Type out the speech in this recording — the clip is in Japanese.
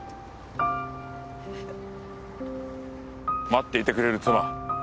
待っていてくれる妻